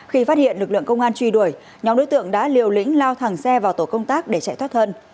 khi phát hiện lực lượng công an truy đuổi nhóm đối tượng đã liều lĩnh lao thẳng xe vào tổ công tác để chạy thoát thân